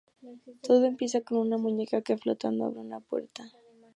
Todo empieza con una muñeca que flotando abre una puerta.